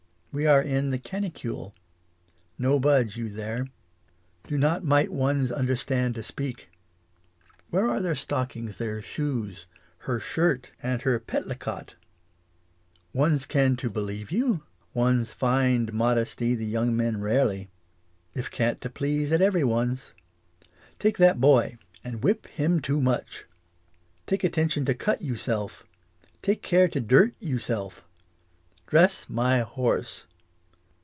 We are in the canicule. No budge you there. Do not might one's understand to speak. Where are their stockings, their shoes, her shirt and her petlicot ? One's can to believe you ? One's find modest the young men rarely. If can't to please at every one's. Take that boy and whip him to much. Take attention to cut you self. Take care to dirt you self. Dress my horse.